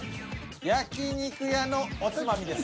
「焼肉屋のおつまみ」です。